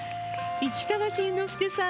市川新之助さん